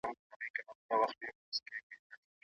ده خپل حقیقت یوازې د خپل کور په دننه کې بیان کړ.